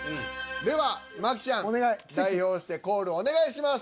では麻貴ちゃん代表してコールをお願いします。